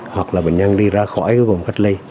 hoặc là bệnh nhân đi ra khỏi vùng cách ly